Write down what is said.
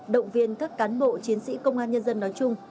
động viên các cán bộ chiến sĩ công an nhân dân nói chung